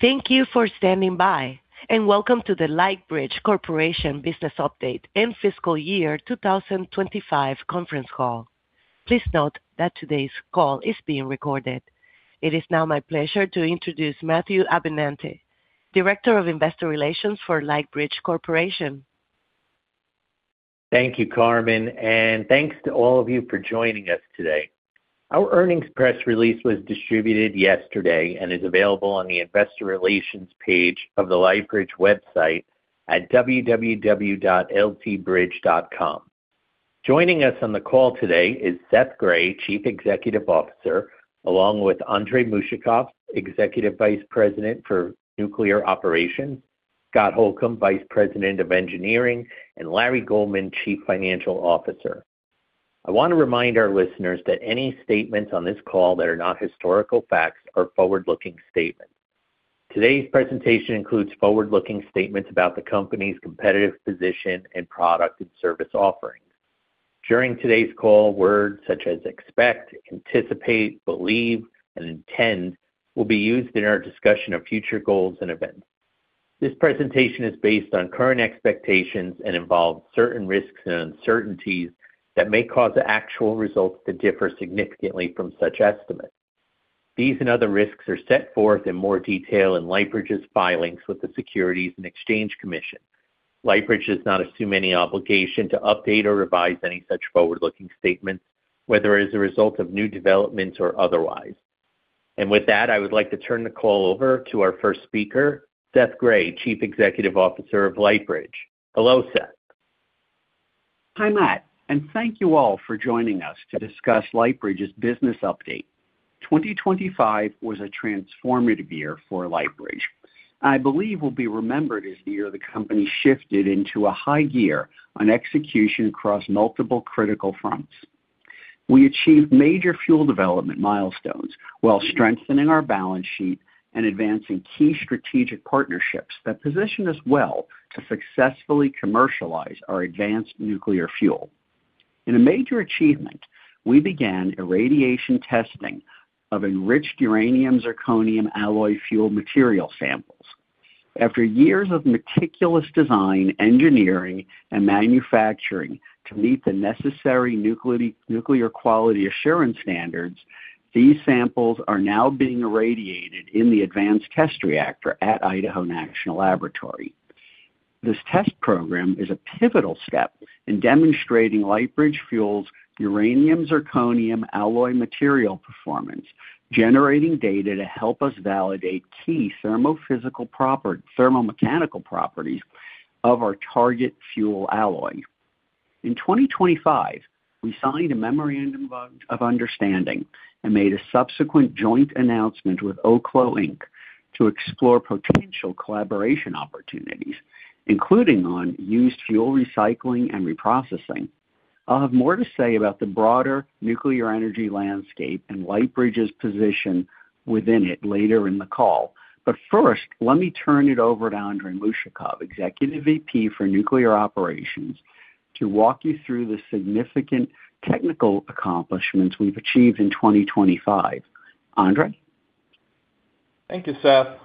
Thank you for standing by, and welcome to the Lightbridge Corporation Business Update and fiscal year 2025 conference call. Please note that today's call is being recorded. It is now my pleasure to introduce Matthew Abenante, Director of Investor Relations for Lightbridge Corporation. Thank you, Carmen, and thanks to all of you for joining us today. Our earnings press release was distributed yesterday and is available on the investor relations page of the Lightbridge website at www.ltbridge.com. Joining us on the call today is Seth Grae, Chief Executive Officer, along with Andrey Mushakov, Executive Vice President for Nuclear Operations, Scott Holcombe, Vice President of Engineering, and Larry Goldman, Chief Financial Officer. I want to remind our listeners that any statements on this call that are not historical facts are forward-looking statements. Today's presentation includes forward-looking statements about the company's competitive position and product and service offerings. During today's call, words such as expect, anticipate, believe, and intend will be used in our discussion of future goals and events. This presentation is based on current expectations and involves certain risks and uncertainties that may cause the actual results to differ significantly from such estimates. These and other risks are set forth in more detail in Lightbridge's filings with the Securities and Exchange Commission. Lightbridge does not assume any obligation to update or revise any such forward-looking statements, whether as a result of new developments or otherwise. With that, I would like to turn the call over to our first speaker, Seth Grae, Chief Executive Officer of Lightbridge. Hello, Seth. Hi, Matt. Thank you all for joining us to discuss Lightbridge's business update. 2025 was a transformative year for Lightbridge. I believe will be remembered as the year the company shifted into a high gear on execution across multiple critical fronts. We achieved major fuel development milestones while strengthening our balance sheet and advancing key strategic partnerships that position us well to successfully commercialize our advanced nuclear fuel. In a major achievement, we began irradiation testing of enriched uranium-zirconium alloy fuel material samples. After years of meticulous design, engineering, and manufacturing to meet the necessary nuclear quality assurance standards, these samples are now being irradiated in the Advanced Test Reactor at Idaho National Laboratory. This test program is a pivotal step in demonstrating Lightbridge Fuel's uranium-zirconium alloy material performance, generating data to help us validate key thermophysical thermomechanical properties of our target fuel alloy. In 2025, we signed a memorandum of understanding and made a subsequent joint announcement with Oklo Inc. to explore potential collaboration opportunities, including on used fuel recycling and reprocessing. I'll have more to say about the broader nuclear energy landscape and Lightbridge's position within it later in the call. First, let me turn it over to Andrey Mushakov, Executive VP for Nuclear Operations, to walk you through the significant technical accomplishments we've achieved in 2025. Andrey? Thank you, Seth.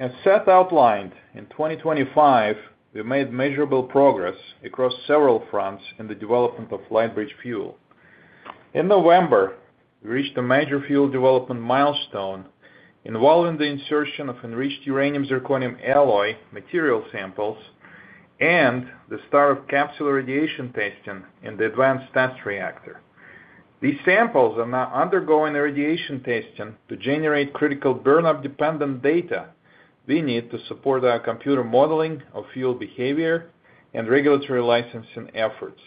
As Seth outlined, in 2025, we made measurable progress across several fronts in the development of Lightbridge Fuel. In November, we reached a major fuel development milestone involving the insertion of enriched uranium-zirconium alloy material samples and the start of capsule irradiation testing in the Advanced Test Reactor. These samples are now undergoing irradiation testing to generate critical burnup dependent data we need to support our computer modeling of fuel behavior and regulatory licensing efforts.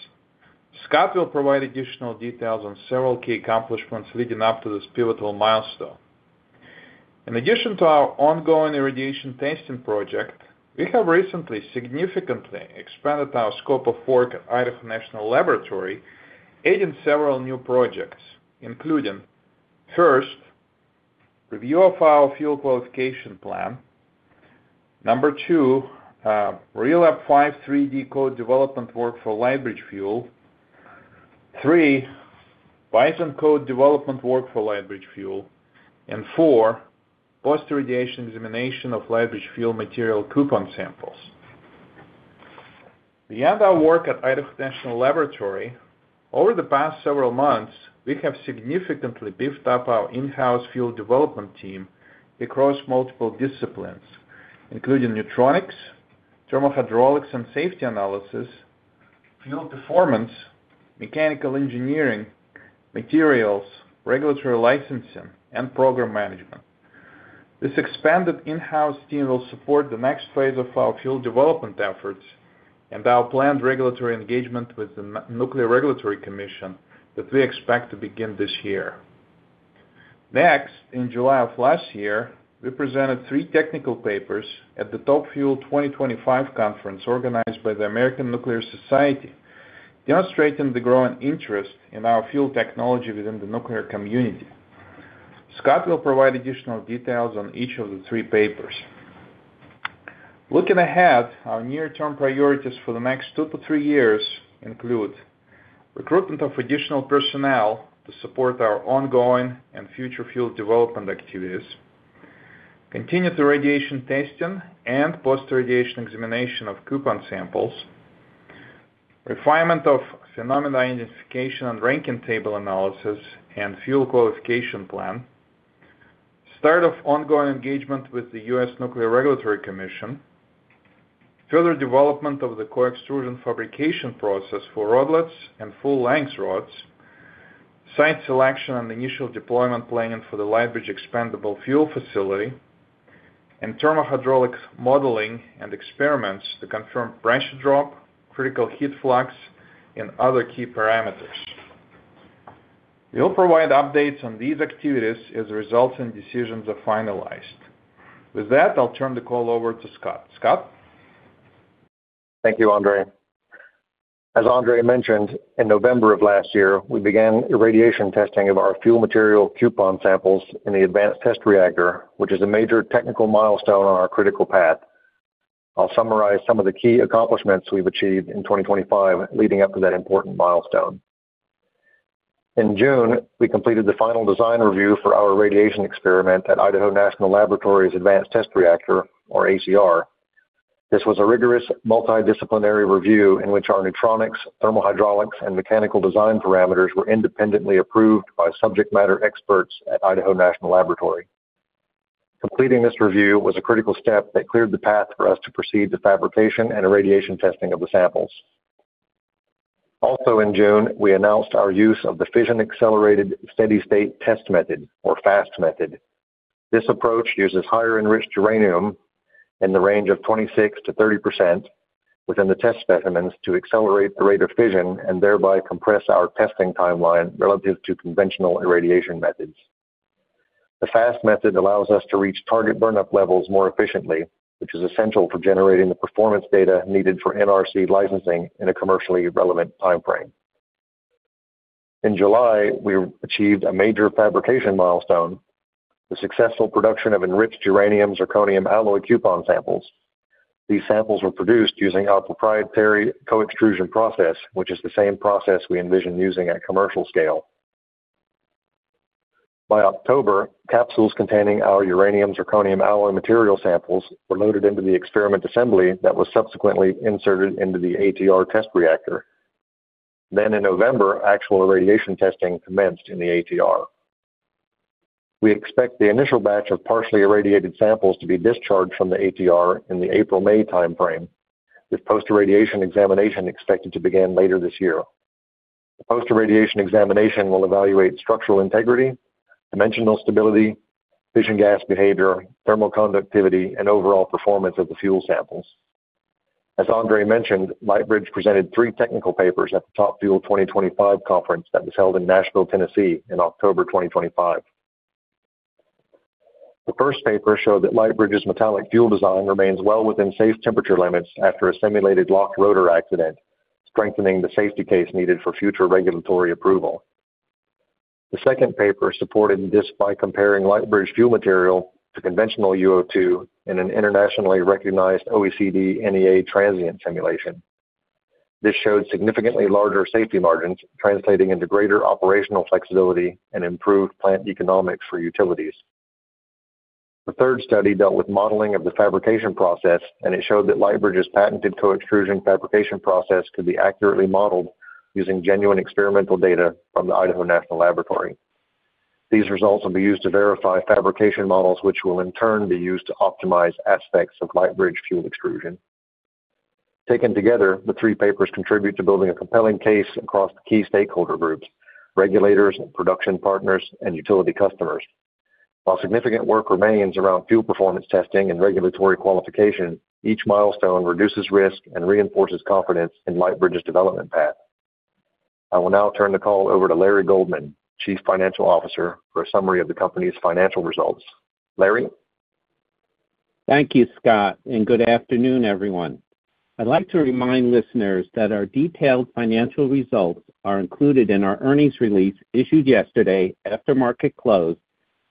Scott will provide additional details on several key accomplishments leading up to this pivotal milestone. In addition to our ongoing irradiation testing project, we have recently significantly expanded our scope of work at Idaho National Laboratory, adding several new projects, including, first, review of our fuel qualification plan. Number two, RELAP5-3D code development work for Lightbridge Fuel. Three, BISON code development work for Lightbridge Fuel, and four, post-irradiation examination of Lightbridge Fuel material coupon samples. Beyond our work at Idaho National Laboratory, over the past several months, we have significantly beefed up our in-house fuel development team across multiple disciplines, including neutronics, thermal hydraulics and safety analysis, fuel performance, mechanical engineering, materials, regulatory licensing, and program management. This expanded in-house team will support the next phase of our fuel development efforts and our planned regulatory engagement with the Nuclear Regulatory Commission that we expect to begin this year. In July of last year, we presented three technical papers at the TopFuel 2025 conference, organized by the American Nuclear Society, demonstrating the growing interest in our fuel technology within the nuclear community. Scott will provide additional details on each of the three papers. Looking ahead, our near-term priorities for the next two to three years include recruitment of additional personnel to support our ongoing and future fuel development activities, continued irradiation testing and post-irradiation examination of coupon samples, refinement of Phenomena Identification and Ranking Table analysis and fuel qualification plan, start of ongoing engagement with the U.S. Nuclear Regulatory Commission, further development of the co-extrusion fabrication process for rodlets and full length rods, site selection and initial deployment planning for the Lightbridge expandable fuel facility, and thermal hydraulics modeling and experiments to confirm pressure drop, critical heat flux, and other key parameters. We'll provide updates on these activities as results and decisions are finalized. With that, I'll turn the call over to Scott. Scott? Thank you, Andrey. As Andrey mentioned, in November of last year, we began irradiation testing of our fuel material coupon samples in the Advanced Test Reactor, which is a major technical milestone on our critical path. I'll summarize some of the key accomplishments we've achieved in 2025, leading up to that important milestone. In June, we completed the final design review for our radiation experiment at Idaho National Laboratory's Advanced Test Reactor, or ATR. This was a rigorous, multidisciplinary review in which our neutronics, thermal hydraulics, and mechanical design parameters were independently approved by subject matter experts at Idaho National Laboratory. Completing this review was a critical step that cleared the path for us to proceed to fabrication and irradiation testing of the samples. Also, in June, we announced our use of the fission accelerated steady state test method, or FAST method. This approach uses higher enriched uranium in the range of 26%-30% within the test specimens to accelerate the rate of fission and thereby compress our testing timeline relative to conventional irradiation methods. The FAST method allows us to reach target burnup levels more efficiently, which is essential for generating the performance data needed for NRC licensing in a commercially relevant timeframe. In July, we achieved a major fabrication milestone, the successful production of enriched uranium-zirconium alloy coupon samples. These samples were produced using our proprietary co-extrusion process, which is the same process we envision using at commercial scale. By October, capsules containing our uranium-zirconium alloy material samples were loaded into the experiment assembly that was subsequently inserted into the ATR test reactor. In November, actual irradiation testing commenced in the ATR. We expect the initial batch of partially irradiated samples to be discharged from the ATR in the April-May timeframe, with post-irradiation examination expected to begin later this year. The post-irradiation examination will evaluate structural integrity, dimensional stability, fission gas behavior, thermal conductivity, and overall performance of the fuel samples. As Andrey mentioned, Lightbridge presented three technical papers at the TopFuel 2025 conference that was held in Nashville, Tennessee, in October 2025. The first paper showed that Lightbridge's metallic fuel design remains well within safe temperature limits after a simulated locked rotor accident, strengthening the safety case needed for future regulatory approval. The second paper supported this by comparing Lightbridge Fuel material to conventional UO2 in an internationally recognized OECD NEA transient simulation. This showed significantly larger safety margins, translating into greater operational flexibility and improved plant economics for utilities. The third study dealt with modeling of the fabrication process, and it showed that Lightbridge's patented co-extrusion fabrication process could be accurately modeled using genuine experimental data from the Idaho National Laboratory. These results will be used to verify fabrication models, which will in turn be used to optimize aspects of Lightbridge Fuel extrusion. Taken together, the three papers contribute to building a compelling case across key stakeholder groups, regulators, production partners, and utility customers. While significant work remains around fuel performance testing and regulatory qualification, each milestone reduces risk and reinforces confidence in Lightbridge's development path. I will now turn the call over to Larry Goldman, Chief Financial Officer, for a summary of the company's financial results. Larry? Thank you, Scott. Good afternoon, everyone. I'd like to remind listeners that our detailed financial results are included in our earnings release issued yesterday after market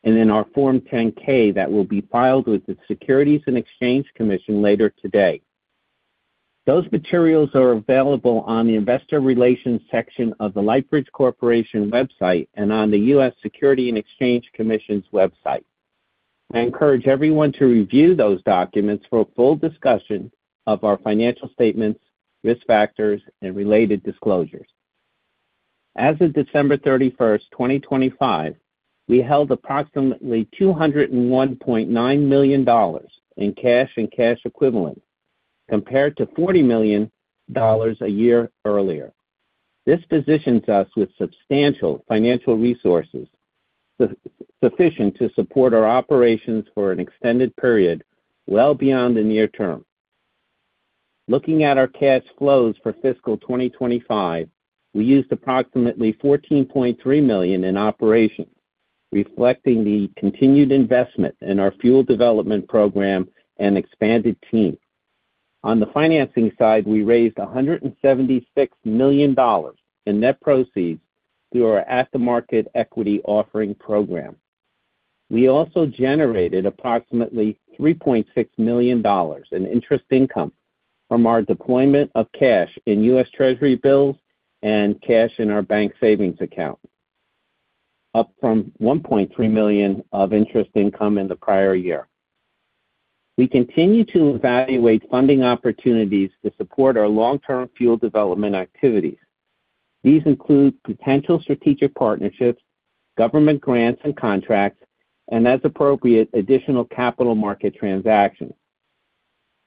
close and in our Form 10-K that will be filed with the Securities and Exchange Commission later today. Those materials are available on the investor relations section of the Lightbridge Corporation website and on the U.S. Securities and Exchange Commission's website. I encourage everyone to review those documents for a full discussion of our financial statements, risk factors, and related disclosures. As of December 31, 2025, we held approximately $201.9 million in cash and cash equivalents, compared to $40 million a year earlier. This positions us with substantial financial resources sufficient to support our operations for an extended period, well beyond the near term. Looking at our cash flows for fiscal 2025, we used approximately $14.3 million in operations, reflecting the continued investment in our fuel development program and expanded team. On the financing side, we raised $176 million in net proceeds through our at-the-market equity offering program. We also generated approximately $3.6 million in interest income from our deployment of cash in U.S. Treasury bills and cash in our bank savings account, up from $1.3 million of interest income in the prior year. We continue to evaluate funding opportunities to support our long-term fuel development activities. These include potential strategic partnerships, government grants and contracts, and, as appropriate, additional capital market transactions.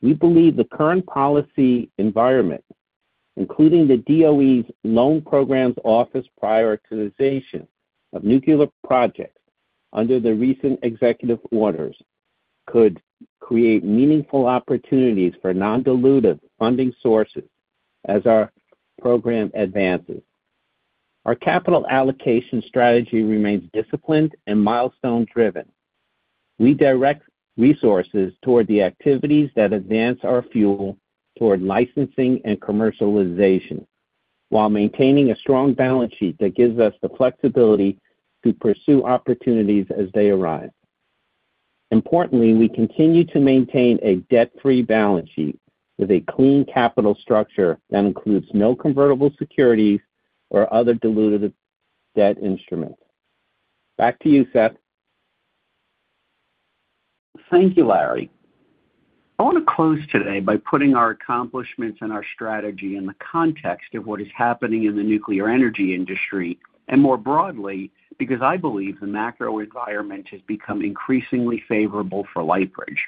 We believe the current policy environment, including the DOE's Loan Programs Office prioritization of nuclear projects under the recent executive orders, could create meaningful opportunities for non-dilutive funding sources as our program advances. Our capital allocation strategy remains disciplined and milestone-driven. We direct resources toward the activities that advance our fuel toward licensing and commercialization, while maintaining a strong balance sheet that gives us the flexibility to pursue opportunities as they arise. Importantly, we continue to maintain a debt-free balance sheet with a clean capital structure that includes no convertible securities or other dilutive debt instruments. Back to you, Seth. Thank you, Larry. I want to close today by putting our accomplishments and our strategy in the context of what is happening in the nuclear energy industry, and more broadly, because I believe the macro environment has become increasingly favorable for Lightbridge.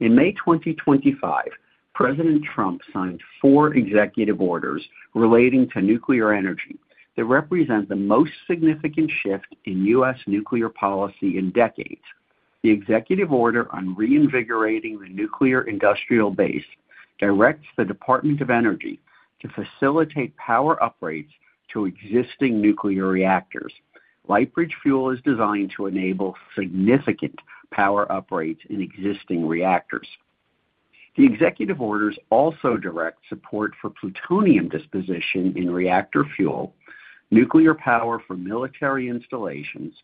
In May 2025, President Trump signed four executive orders relating to nuclear energy that represent the most significant shift in U.S. nuclear policy in decades. The executive order on reinvigorating the nuclear industrial base directs the Department of Energy to facilitate power upgrades to existing nuclear reactors. Lightbridge Fuel is designed to enable significant power upgrades in existing reactors. The executive orders also direct support for plutonium disposition in reactor fuel, nuclear power for military installations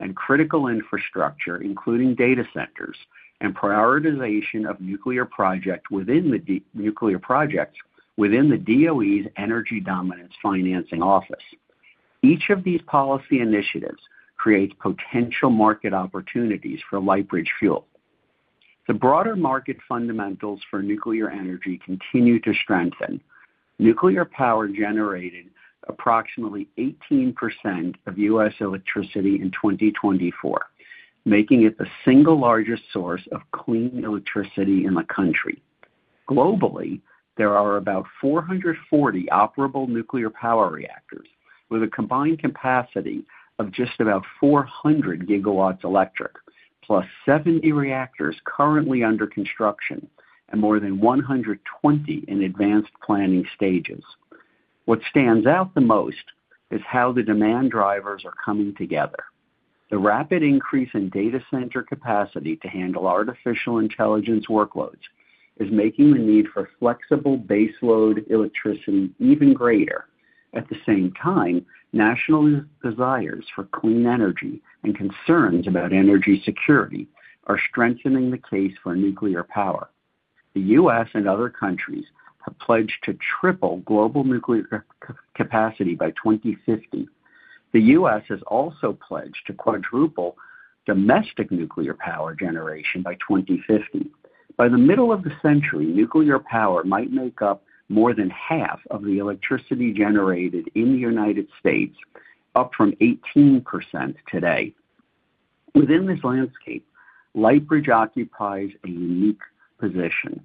and critical infrastructure, including data centers and prioritization of nuclear projects within the DOE's Office of Energy Dominance Financing. Each of these policy initiatives creates potential market opportunities for Lightbridge Fuel. The broader market fundamentals for nuclear energy continue to strengthen. Nuclear power generated approximately 18% of U.S. electricity in 2024, making it the single largest source of clean electricity in the country. Globally, there are about 440 operable nuclear power reactors, with a combined capacity of just about 400 GW electric, plus 70 reactors currently under construction and more than 120 in advanced planning stages. What stands out the most is how the demand drivers are coming together. The rapid increase in data center capacity to handle artificial intelligence workloads is making the need for flexible baseload electricity even greater. At the same time, national desires for clean energy and concerns about energy security are strengthening the case for nuclear power. The U.S. and other countries have pledged to triple global nuclear capacity by 2050. The U.S. has also pledged to quadruple domestic nuclear power generation by 2050. By the middle of the century, nuclear power might make up more than half of the electricity generated in the United States, up from 18% today. Within this landscape, Lightbridge occupies a unique position.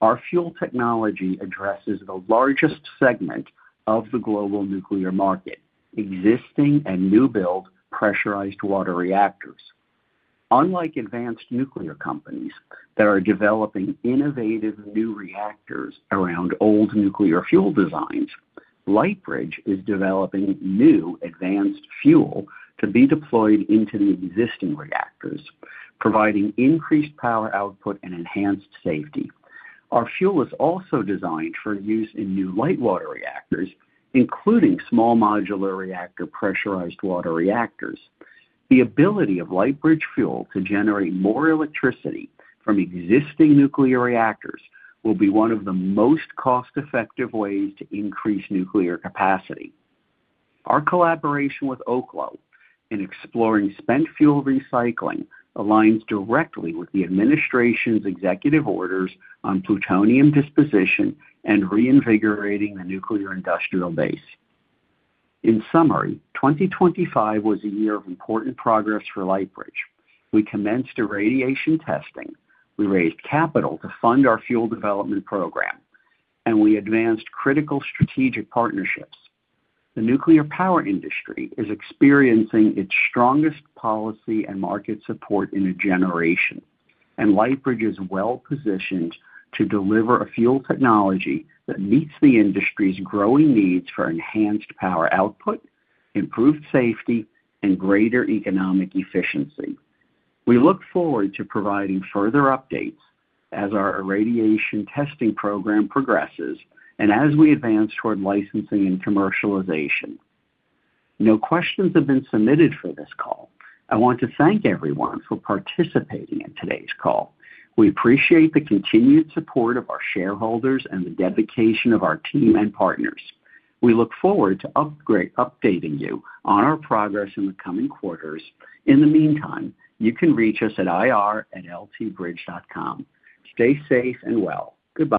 Our Fuel Technology addresses the largest segment of the global nuclear market, existing and new build pressurized water reactors. Unlike advanced nuclear companies that are developing innovative new reactors around old nuclear fuel designs, Lightbridge is developing new advanced fuel to be deployed into the existing reactors, providing increased power output and enhanced safety. Our fuel is also designed for use in new light water reactors, including small modular reactor, pressurized water reactors. The ability of Lightbridge Fuel to generate more electricity from existing nuclear reactors will be one of the most cost-effective ways to increase nuclear capacity. Our collaboration with Oklo Inc. in exploring spent fuel recycling aligns directly with the administration's executive orders on plutonium disposition and reinvigorating the nuclear industrial base. In summary, 2025 was a year of important progress for Lightbridge. We commenced irradiation testing, we raised capital to fund our fuel development program, and we advanced critical strategic partnerships. The nuclear power industry is experiencing its strongest policy and market support in a generation, and Lightbridge is well positioned to deliver a fuel technology that meets the industry's growing needs for enhanced power output, improved safety, and greater economic efficiency. We look forward to providing further updates as our irradiation testing program progresses and as we advance toward licensing and commercialization. No questions have been submitted for this call. I want to thank everyone for participating in today's call. We appreciate the continued support of our shareholders and the dedication of our team and partners. We look forward to updating you on our progress in the coming quarters. In the meantime, you can reach us at ir@ltbridge.com. Stay safe and well. Goodbye.